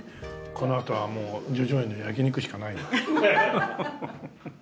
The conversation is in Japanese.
このあとはもう叙々苑の焼き肉しかないな。